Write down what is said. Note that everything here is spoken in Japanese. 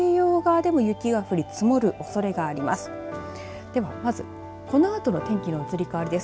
ではまずこのあとの天気の移り変わりです。